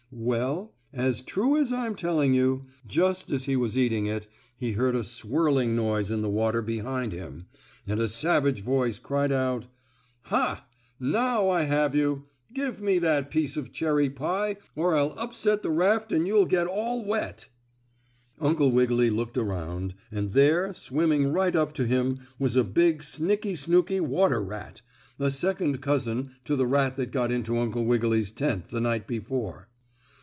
Well, as true as I'm telling you, just as he was eating it he heard a swirling noise in the water behind him and a savage voice cried out: "Ha! Now I have you! Give me that piece of cherry pie or I'll upset the raft and you'll get all wet!" Uncle Wiggily looked around, and there, swimming right up to him was a big, snicky snooky water rat a second cousin to the rat that got into Uncle Wiggily's tent the night before.